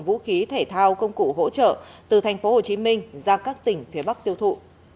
vũ khí thể thao công cụ hỗ trợ từ thành phố hồ chí minh ra các tỉnh phía bắc tiêu thụ